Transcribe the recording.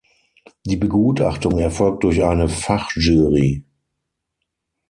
Die Begutachtung erfolgt durch eine Fachjury.